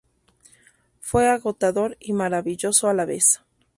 Fue agotador y maravilloso a la vez.